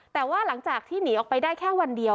แต่ว่าหลังจากที่หนีออกไปได้แค่วันเดียว